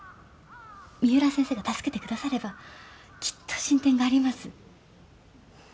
三浦先生が助けて下さればきっと進展があります。